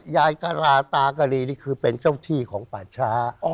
ยายกะลาตากะลีนี่คือเป็นเจ้าที่ของป่าช้า